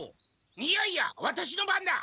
いやいやワタシの番だ！